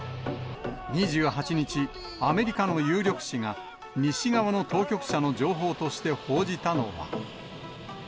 ２８日、アメリカの有力紙が、西側の当局者の情報として報じたのは。